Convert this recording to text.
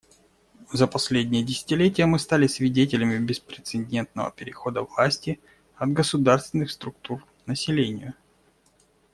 За последнее десятилетие мы стали свидетелями беспрецедентного перехода власти от государственных структур населению.